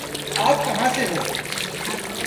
آپ کہاں سے ہوں؟